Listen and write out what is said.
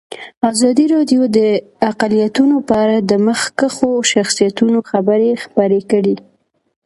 ازادي راډیو د اقلیتونه په اړه د مخکښو شخصیتونو خبرې خپرې کړي.